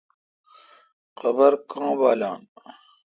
قابر کاں والان۔